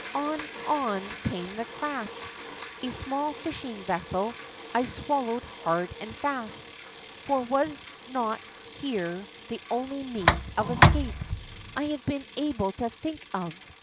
On, on^ came the craft, a small fishing vesseb 94 THE ROCK FROG I swallowed hard and fast. For was not here the only means of escape I had been able to think of